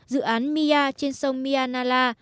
dự án mia trên sông mia nala